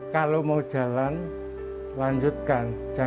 kalau mau jalan lanjutkan